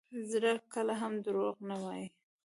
زړه کله هم دروغ نه وایي.